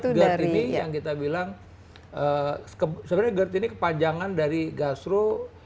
jadi gerd ini yang kita bilang sebenarnya gerd ini kepanjangan dari gastro